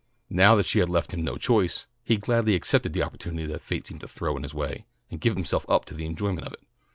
Now that she had left him no choice, he gladly accepted the opportunity that fate seemed to throw in his way, and gave himself up to the enjoyment of it.